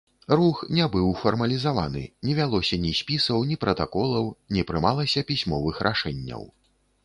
Рух не быў фармалізаваны, не вялося ні спісаў, ні пратаколаў, не прымалася пісьмовых рашэнняў.